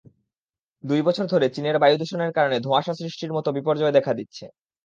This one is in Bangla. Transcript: দুই বছর ধরে চীনে বায়ুদূষণের কারণে ধোঁয়াশা সৃষ্টির মতো বিপর্যয় দেখা দিচ্ছে।